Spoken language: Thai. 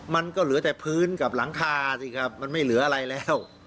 มันก็เหลือแต่พื้นกับหลังคาสิครับมันไม่เหลืออะไรแล้ว